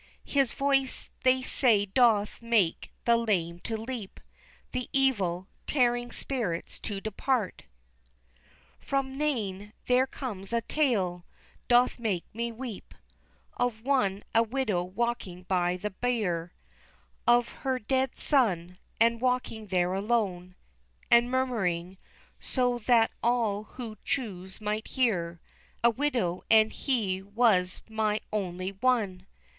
His voice they say doth make the lame to leap, The evil, tearing spirits to depart." From Nain there comes a tale Doth make me weep, Of one a widow walking by the bier Of her dead son, and walking there alone, And murmuring, so that all who chose might hear, "A widow and he was my only one!"